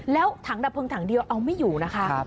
แล้วถังดับเพลิงถังเดียวเอาไม่อยู่นะคะ